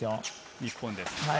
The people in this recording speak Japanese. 日本です。